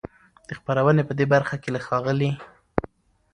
د خپرونې په دې برخه کې له ښاغلي